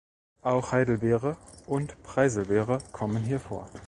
Auch Heidelbeere und Preiselbeere kommen hier vor.